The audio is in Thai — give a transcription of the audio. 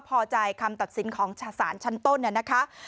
พอใจคำตัดสินของสารชั้นต้นเนี่ยนะคะ